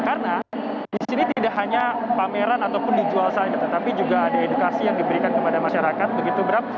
karena di sini tidak hanya pameran ataupun dijual saja tetapi juga ada edukasi yang diberikan kepada masyarakat begitu berat